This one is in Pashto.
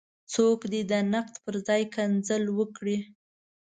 څوک دې د نقد پر ځای کنځل وکړي.